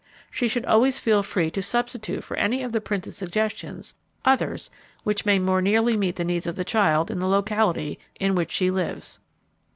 She should always feel free to substitute for any of the printed suggestions others that may more nearly meet the needs of the child in the locality in which she lives.